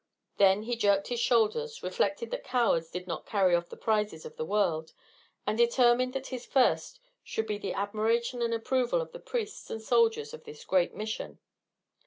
Then he jerked his shoulders, reflected that cowards did not carry off the prizes of the world, and determined that his first should be the admiration and approval of the priests and soldiers of this great Mission.